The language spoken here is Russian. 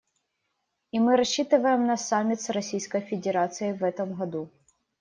И мы рассчитываем на саммит с Российской Федерацией в этом году.